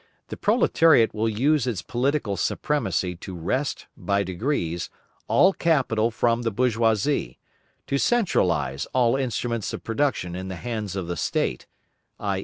The proletariat will use its political supremacy to wrest, by degrees, all capital from the bourgeoisie, to centralise all instruments of production in the hands of the State, _i.